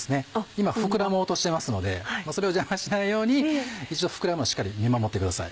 今膨らもうとしてますのでそれを邪魔しないように一度膨らむのをしっかり見守ってください。